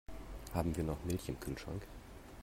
Haben wir noch Milch im Kühlschrank?